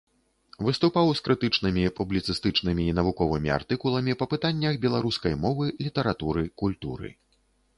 Выступаў з крытычнымі, публіцыстычнымі і навуковымі артыкуламі па пытаннях беларускай мовы, літаратуры, культуры.